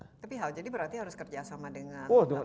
tapi hal jadi berarti harus kerjasama dengan